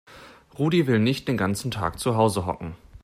Rudi will nicht den ganzen Tag zu Hause hocken.